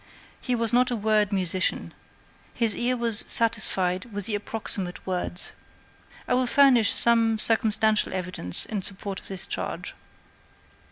He was not a word musician. His ear was satisfied with the approximate word. I will furnish some circumstantial evidence in support of this charge.